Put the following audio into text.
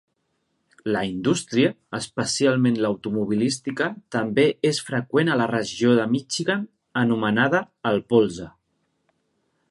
La indústria, especialment l'automobilística, també és freqüent a la regió de Michigan anomenada "el Polze".